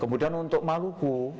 kemudian untuk maluku